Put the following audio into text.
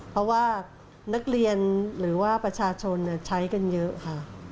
เพราะว่านักเรียนหรือว่าประชาชนใช้กันเยอะค่ะ